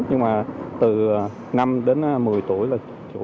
nhưng mà từ năm đến một mươi tuổi là chủ